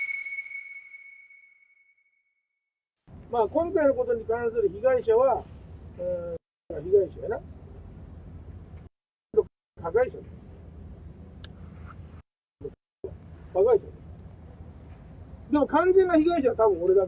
今回のことに関する被害者は、×××が被害者やな。